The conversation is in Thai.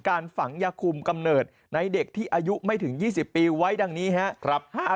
การฝังยาคุมกำเนิดในเด็กที่อายุไม่ถึง๒๐ปีไว้ดังนี้ครับ